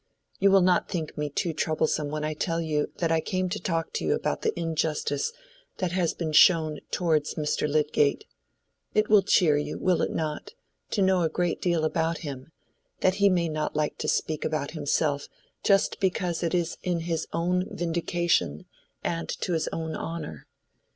You will not think me too troublesome when I tell you that I came to talk to you about the injustice that has been shown towards Mr. Lydgate. It will cheer you—will it not?—to know a great deal about him, that he may not like to speak about himself just because it is in his own vindication and to his own honor.